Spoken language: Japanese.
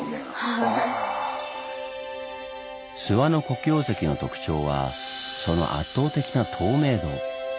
諏訪の黒曜石の特徴はその圧倒的な透明度。